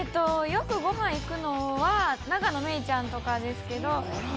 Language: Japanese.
よくごはん行くのは永野芽郁ちゃんとかですけど。